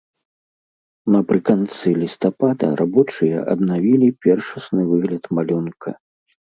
Напрыканцы лістапада рабочыя аднавілі першасны выгляд малюнка.